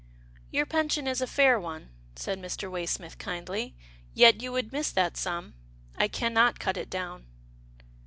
" Your pension is a fair one," said Mr. Way smith kindly, " yet you would miss that sum. I can not cut it down."